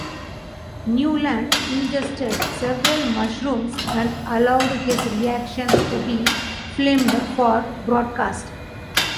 Newland ingested several mushrooms and allowed his reactions to be filmed for broadcast.